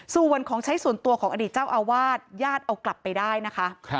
ส่วนของใช้ส่วนตัวของอดีตเจ้าอาวาสญาติเอากลับไปได้นะคะ